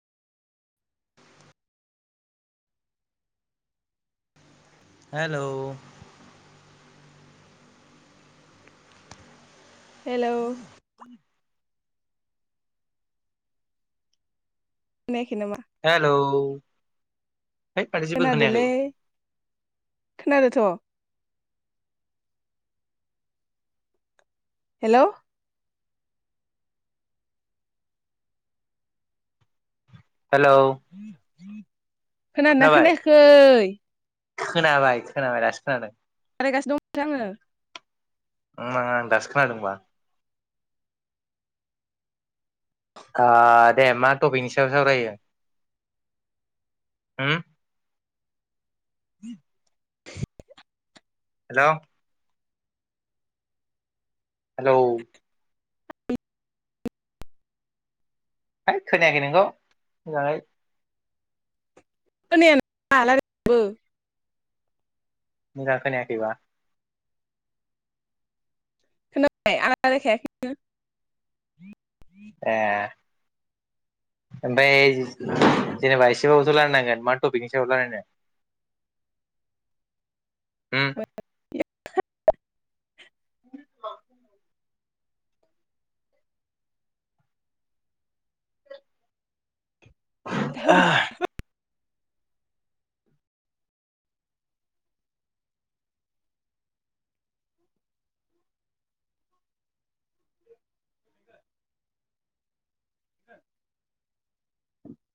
हेल' हेल' [inaudible] खोनायाखै नामा हेलौ है माथो जेबो खोनायाखै खोनादोंलै खोनादोंथ' हेल' हेलौ खोनादोंना खोनाबाय खोनायाखै खोनाबाय खोनाबाय दासो खोनादों रायलायगासिनो दं माथो आङो ओम आं दासो खोनादोंबा ओ दे मा टपिकनि सायाव सावरायो होम [inaudible] [inaudible] हेल' हेलौ है खोनायाखै नोंगौ मोजाङै खोनाया रायलायनायखौबो मोजां खोनायाखैबा नै आं रायलायखायाखैनो ए [inaudible] ओमफ्राय जेनेबा एसेबाबोथ' रायलायनांगोन मा टपिकनि सायाव रायलायनो आत [inaudible] [inaudible]